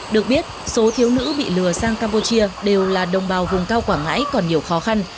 được biết số thiếu nữ bị lừa sang campuchia đều là đồng bào vùng cao quảng ngãi còn nhiều khó khăn